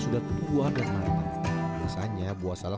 sudah tua dan matang biasanya buah salak